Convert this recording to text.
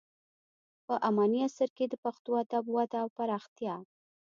په اماني عصر کې د پښتو ادب وده او پراختیا.